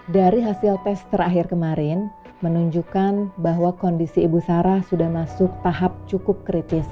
dari hasil tes terakhir kemarin menunjukkan bahwa kondisi ibu sarah sudah masuk tahap cukup kritis